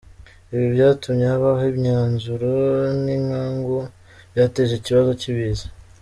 Ibi byatumye habaho imyuzure n’inkangu byateje ikibazo cy’ibiza.